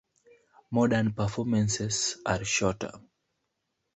Modern performances are shorter.